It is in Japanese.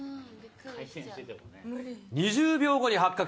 ２０秒後に発覚！